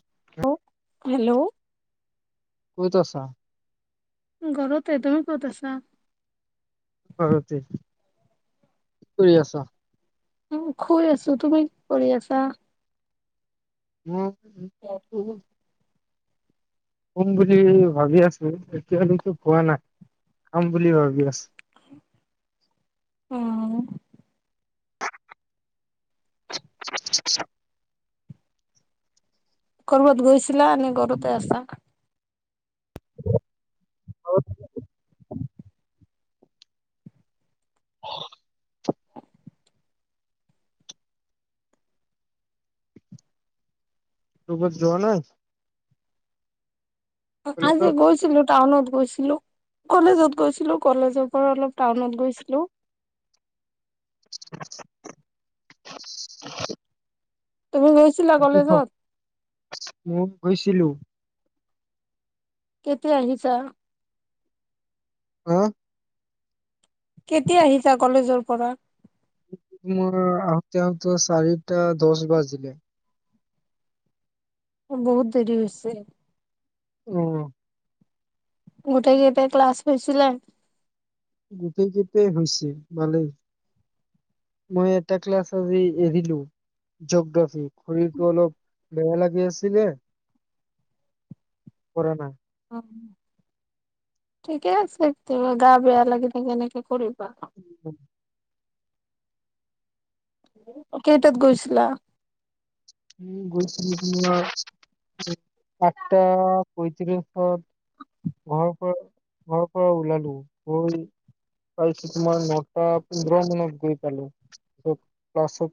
[unintelligible] Hello ক'ত আছ ঘৰতে তুমি ক'ত আছা? ঘৰতে, কি কৰছা? শুই আছো তুমি কৰি আছা? উম', উ, কম বুলি ভাবি আছো এতিয়া কিন্তু খোৱা নাই খাম বুলি ভাবি আছো। অহ, [unintelligible] ক'ৰবাত গৈছিলা নে ঘৰতে আছা? অ, কবাত যোৱা নাই? আজি কলেজত গৈছিলো টাউনত। গৈছিলো কলেজত, গৈছিলো কলেজৰ পৰা অলপ টাউনত গৈছিলো। [unintelligible] তুমি গৈছিলা কি খবৰ? কলেজত? মই গৈছিলো। চিলো। কেতিয়া আহিছা। অহ', কেতিয়া আহিছা কলেজৰ পৰা? মই আহোঁতে-আহোঁতে চাৰিটা দহ বাজিলে। বহুত দেৰি হৈছে। উম। গোটেই কেইটা ক্লাছ হৈছিলে? গোটেই-গেইটেই হৈছে, ভালেই মই এটা ক্লাছ আজি এৰিলো, জগ্ৰাফি। শৰীৰটো অলপ বেয়া লাগি আছিলে। কৰা না, ঠিকে আছে কেতিয়া গা বেয়া লাগিল কেনেকে কৰিবা। উম। কেইটাত গৈছিলা? উম গৈছিলো তোমাৰ আঠটা পঁইত্ৰিশত। ঘৰ পৰা ঘৰৰ পৰা ওলালো, গৈ পাইছো তোমাৰ নটা পোন্ধৰ মানত গৈ পালো। ক্লাছত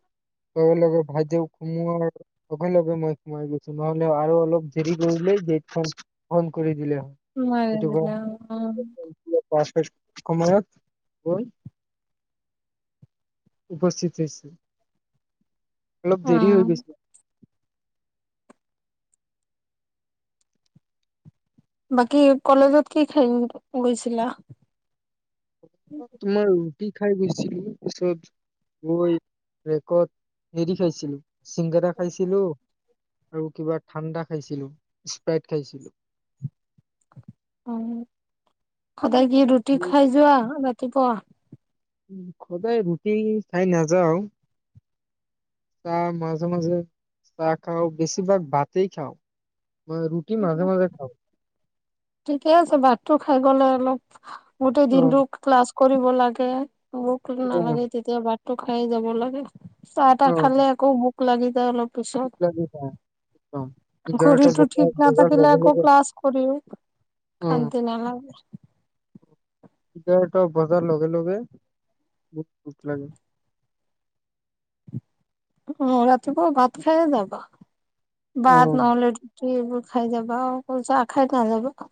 লগে-লগে ভাইদেউ সোমোৱাৰ লগে লগে মই সোমাই গৈছো। নহ'লে আৰু অলপ দেৰি কৰিলেই গেটখন বন্ধ কৰি দিলে হয়। সোমাই গৈছিলা অ-অ। ক্লাছ হৈছে সময়ত গৈ উপস্থিত হৈছে। অলপ দেৰি হৈ অ'। গৈছে। বাকী কলেজত কি খেলিব গৈছিলা? তোমাৰ ৰুটি খাই গৈ ছ্ছিলো। পিছত গৈ ব্ৰেকত হেৰি খাইছিলোঁ। চিংগাৰা খাইছিলোঁ আৰু কিবা ঠাণ্ডা খাইছিলোঁ। স্প্ৰাইট খাইছিলোঁ। অহ সদায় কি ৰুটি খাই যোৱা নে পোৱা? সদায় ৰুটি খাই নাযাওঁ। চাহ মাজে মাজে, চাহ খাওঁ। বেছিভাগ ভাতেই খাওঁ। মই ৰুটি মাজে মাজে খাওঁ। ঠিকে আছে। ভাতটো খাই গ'লে অলপ গোটেই অ দিনটো ক্লাছ কৰিব লাগে। ভোক অ নালাগে তেতিয়া টো খাই যাব লাগে। চাহ টা অ খালে আকৌ বু লাগি যায় অলপ। পিছত এঘাৰটা ঘড়ীটো ঠিক বজাৰ বজাৰ নাথাকিলে লগে আকৌ লগে ক্লাছ কৰি অ কান্তে না [unintelligible] এঘাৰটা বজাৰ লগে লগে বহুত ভোক লাগে। অ', ৰাতিপুৱা ভাত খাইয়ে যাবা। অ ভাত নহ'লে ৰুটি তই এইবোৰ খাই যাবা। অকল চাহ খাই নাযাবা।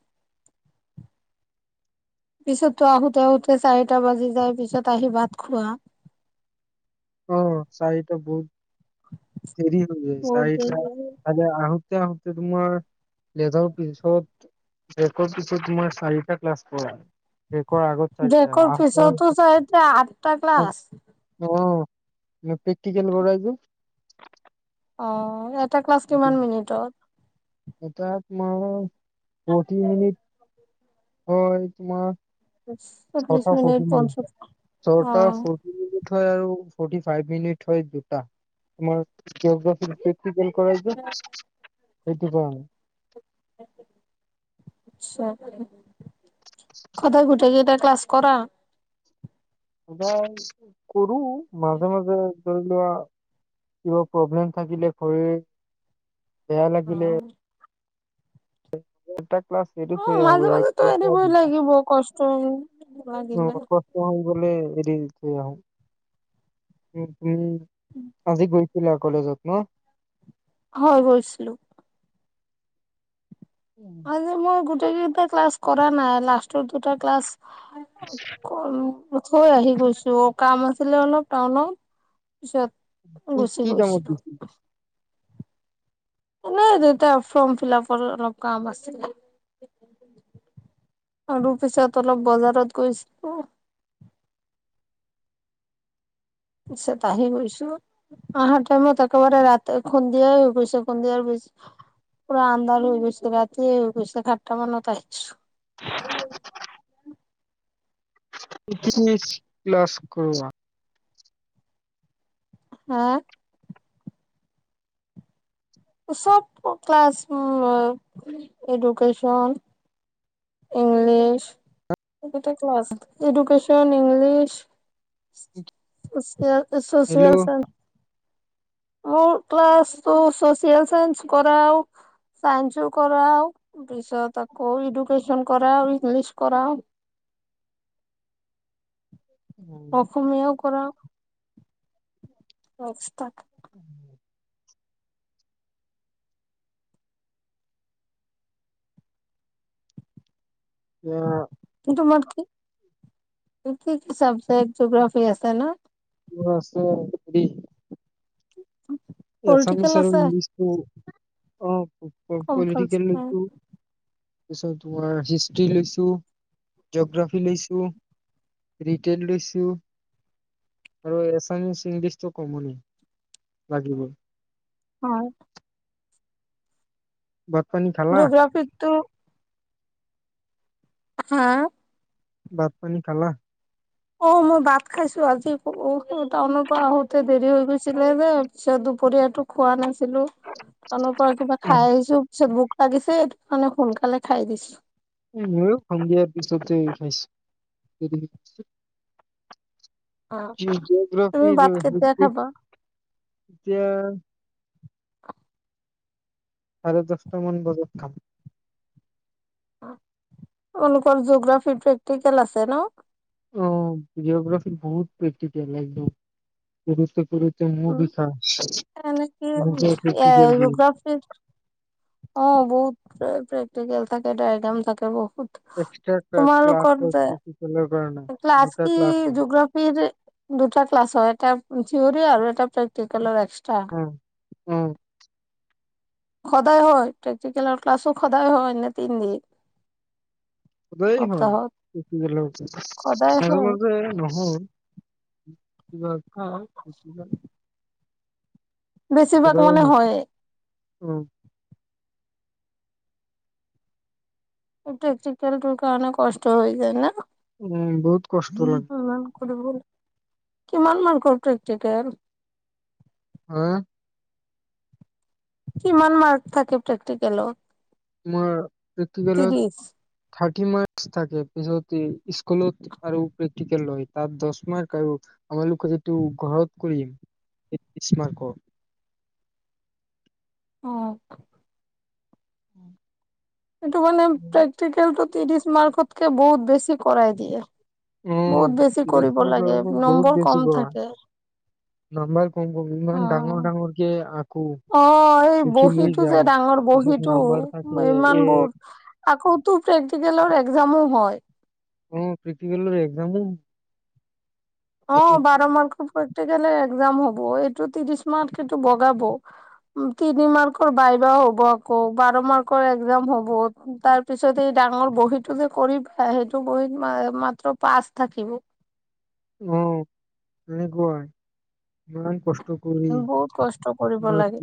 পিছততো আহোতে আহোতে চাৰিটা বাজি যায়। পিছত আহি ভাত খোৱা? অ', চাৰিটা বহুত দেৰি হৈ যায় গোটেই চাৰিটা বাজে আহোতে আহোতে আহোতে তোমাৰ ব্ৰেকৰ পিছত পিছত মই চাৰিটা ক্লাছ কৰা ব্ৰেকৰ আগত চাৰিটা ব্ৰেকৰ আহোতে পিছতো আহোতে চাৰিটা? আঠটা ক্লাছ? অ', প্ৰেকটিকেল কৰায় যে। অ', টা ক্লাছ কিমান মিনিটৰ? এটা তোমাৰ ফৰ্তি মিনিট হয় তোমাৰ। চল্লিশ ছটা মিনিট ফৰ্টি পঞ্চাশ ছটা অ' ফৰ্টি হয় আৰু। ফৰ্টী ফাইভ মিনট হয় দুটা, তোমাৰ জীয়গ্ৰফী কিজন কৰে যে। সেইটো কাৰণে। আচছা', খদাই গোটেই কেইটা, ক্লাছ কৰা স কৰো মাজে মাজে ধৰি লোৱা কিবা প্ৰব্লেম থাকিলে শৰীৰ বেয়া লাগিলে অ' তাক অ মাজে মাজে তো এৰিবই লাগিব কষ্ট লাগিলে ব এৰি থ আহো উম উম আজি গৈ জিলা কলেজত ম হয় বছিলো উম। আ মই গ প্ৰতিযোগিতা ক্লাছ কৰা নাই লাষ্টৰ দুটা ক্লাছ থৈ আহি গৈছো অ কাম আছিলে অলপ টাউনত পিছত কি কি গুচি কামত গৈছিলো গৈছিলা নাই দেতিয়া ফৰ্ম ফিলাপৰ অলপ কাম আছিলে আৰু পিছত অলপ বজাৰত গৈছিলো চ ত আহি গৈছো আহহাৰ টাইমত একেবাৰে ৰাতি খুন্দিয়াই হৈ গৈছে খুন্দিয়াৰ পি পুৰা আন্ধাৰ হৈ গৈছে ৰাতিয়ে হৈ গৈছে সাতটা মানত আহিছো ইছ ক্লাছ কৰা হা চব ক্লছ এডুকেশন ইংলিছ এইটা ক্ল এডুকেচন ইংলিছ হেল্ল' সচিয়াল চাৰ োৰ ক্া [unintelligible] চচিয়েল চাইন্স কৰাও চাইনচো কৰাও ত পিছত আকৌ ফেশন কৰা ইজলিছ কৰা অসমীয়া কৰ [unintelligible] ত উম এ তম কি কি কি চাবজেক্ট জিগ্ৰাফি আছে ন মছেৰি উ এছামিছ আৰু ইংলিছটো অ কম্পালচৰি পলিটিকেলটো তাৰপিছত তোমাৰ হিষ্ট্ৰী লৈছোঁ জগ্ৰাফী লৈছোঁ ৰিটেইল লৈছোঁ আৰু এছামিচ ইংলিছটো কমনি লাগিব হয় ভাত পানী খালা জোগ্ৰাফিটো হা ভাট পানী খালা? অ' মই ভাত খাইছো আজি টাউনৰ পৰা আহোতে দেৰি হৈ গৈছিলে যে পিছত দুপৰীয়াাতো খোৱা নাছিল। ছিলো তনৰ পৰা কিবা উম, খাই আহিছো পিছত বু লাগিছে এইটো কাৰণে সোনকালে খাই দিছো। ময়ো সন্ধিয়াৰ পিছততে খাইছো। অ' তুমি জিঅ'গ্ৰাফিৰ ভাত কেতিয়া খাবা? এতিয়া চাৰে দহটা মান বজাত খাম। লোকৰ জিঅগ্ৰাফি প্ৰেক্টিকেল আছে ন? অ' জিঅ'গ্ৰাফি বহুত প্ৰেক্টিকেল [unintelligible] এনেকি নিজৰ এ প্ৰেক্টিকেল দিয়ে। জগ্ৰাফি অ' বহুত প্ৰেক্টিকেল থাকে ডায়গ্ৰাম থাকে বহুত। এক্স্ৰা ক্লাছ [unintelligible] ক আজ কি হয়। জিঅগ্ৰাফিৰ দুটা ক্লাছ হয় এটা জিৰি আৰু এটা প্ৰ্টিকৰ এক উম উম। সদায় হয় প্ৰেক্টিকেলৰ ক্লাছো সদায় হয় নে তিনিদিন? সদায় হয় পি সদায় মাজে হয় মাজে নহয়। [inaudible] [unintelligible] বেছিভাগ মানে হয় উম। [unintelligible] কাৰণে কষ্ট হৈ যায় ন? উম বহুত কষ্ট দ লাগ কিমান মান কৰত একতিকে হা? কিমান মাৰ্ক থাকে প্ৰেক্টিকেলত? মমাৰ একিকেলত ত্ৰিশ থাক মাৰ্ক থাকে পিছত স্কুলত আৰু প্ৰেক্টিকেল লয় তাত দহ মাৰ্ক আৰু আমালোকে যিটো ঘৰত কৰিম মাৰ অ'। উম। এইটো মানে প্ৰেক্টিকেলটো মাৰ্কতক বহুত বেছি কৰাই দিয়ে। উম, বহুত বেছি ত্ৰিশ কৰিব মাৰ্কৰ লাগে বহুত নম্বৰ বেছি কম কৰা। থাকে। [unintelligible] ইমান ডাঙৰ অ' ডাঙৰকে আকো অ' এই লিখি লৈ বহীটো যে যাওঁ। ডাঙৰ পিছত বহীটো নাম্বাৰ থাকে এক ইমানবোৰ আকৌতো প্ৰেক্টিকেলৰ এক্জামো হয়? অঁ প্ৰীতি [unintelligible] এক্জামো অঁ বাৰ মাৰ খ প্ৰেক্টিকেলৰ একজাম হ'ব, এইটো ত্ৰিশ মাৰ্ক এইটো বগাব তিনি মাৰ্কৰ বাইবা হ'ব আকৌ বাৰ মাৰ্কৰ এক্জাম হ'ব তাৰ পিছত এই ডাঙৰ বহীটো যে কৰি সেইটো বহীত মাত্ৰ পাছ থাকিব। অঁ, এনেকুৱাই, ইমান কষ্ট কৰি বহুত কষ্ট কৰিব বা লাগে।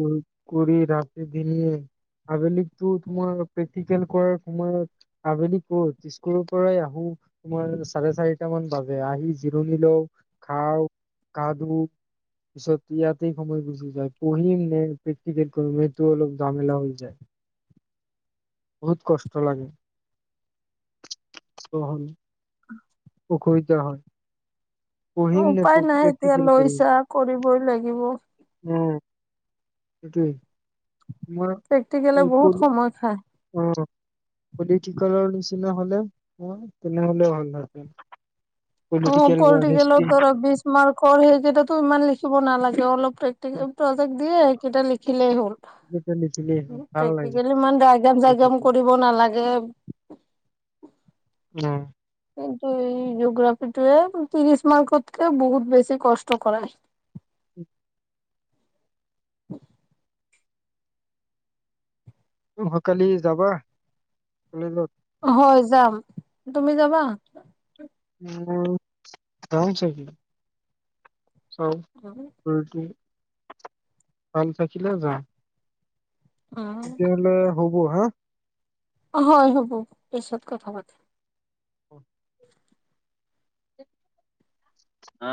কৰি ৰাতি দিনে আবেলিতো তোমাৰ প্ৰেক্টিকেল কৰাৰ সময়ত, আবেলি ক'ত স্কুলৰ পৰাই আহো তোমাৰ চাৰে চাৰিটা মান বাজে আহি জিৰণ লওঁ, খাওঁ, গা ধু, পিছত ইয়াতেই সময় গুচি যায় পহিম নে প্ৰেটিকেল কৰিম সেইটো অলপ জামেলা হৈ যায়। বহুত কষ্ট লাগে। [unintelligible] অসুবিধা হয়। অঁ পঢ়িম নে উপায় নাই এতিয়া প্ৰেক্টিকেল কৰিম লৈছা, কৰিবই লাগিব। সেইটোৱেই। প্ৰেক্টিকেলে বহুত সময় খায়। অঁ, যদি ঠিকৰৰ নিচিনা হ'লে, তেনেহলেওঁ হ'ল হয়। অঁ পলটিকেলত ধৰা বিছ মাৰ্কৰ সেইকেইটাতো ইমান লিখ চব নালাগে অলপ প্ৰতেকে প্ৰজেক্ত দিয়ে কেইটা লিখিলেই লিখিলেই হয় হ'ল। ভাল লাগে প্ৰেক্টিকেলি ইমান দাইগ্ৰাম পঢ়া জাইগাম থাকি কৰিব নালাগে। কিন্তু এই জিঅ'গ্ৰাফিটোয়ে ত্ৰিছ মাৰ্কতকে বহুত বেছি কষ্ট কৰাই। [unintelligible] [unintelligible] অহাকালি যাবা কলেজত। হয় যাম, তুমি যাবা। মই, যাম চাগে। [unintelligible] ভাল থাকিলে যাম। উম, তেতিয়াহ'লে হ'ব হা। হয় হ'ব, পিছত কথা পাতিম। আ।